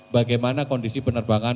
bagaimana kondisi penerbangan